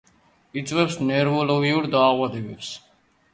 იწვევს ნევროლოგიურ დაავადებებს.